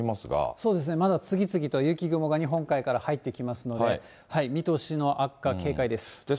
そうですね、まだ次々と雪雲が日本海から入ってきますので、見通しの悪化、警戒です。